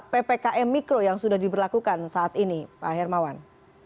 ppkm mikro yang sudah diberlakukan saat ini pak hermawan